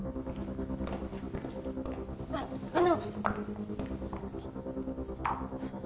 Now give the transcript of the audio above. あっあの。